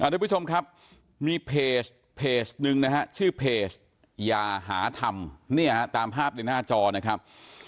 แต่พี่ชมครับมีเพจตามภาพในหน้าจอนะครับ